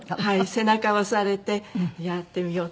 背中を押されてやってみようと。